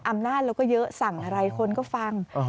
อำนาจเราก็เยอะสั่งอะไรคนก็ฟัง